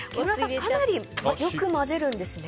かなりよく混ぜるんですね。